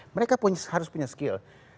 mereka harus punya skill